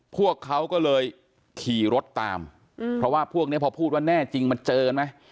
พวกเขาก็เลยขี่รถตามเพราะว่าพวกนี้พอพูดว่าแน่จริงมันเจอไหม